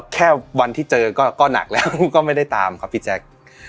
แค่วันที่เจอก็หนักแล้วก็ไม่ได้ตามครับพี่แจ๊ค